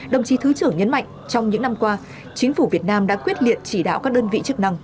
đồng chí thứ trưởng nhấn mạnh trong những năm qua chính phủ việt nam đã quyết liệt chỉ đạo các đơn vị chức năng